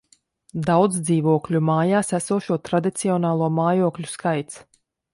Daudzdzīvokļu mājās esošo tradicionālo mājokļu skaits